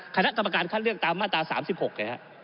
คณะกรรมการคัดเลือกตามมาตรา๓๖ไงฮะ